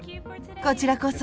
こちらこそ。